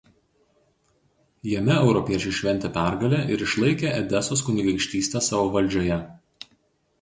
Jame europiečiai šventė pergalę ir išlaikė Edesos kunigaikštystę savo valdžioje.